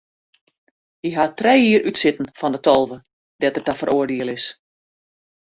Hy hat trije jier útsitten fan de tolve dêr't er ta feroardiele is.